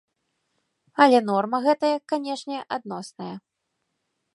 Але норма гэтая, канечне, адносная.